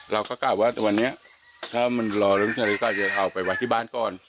เราก็กล่าวว่าวันนี้ถ้ามันรอเรื่องเธอก็จะเอาไปไว้ที่บ้านก่อน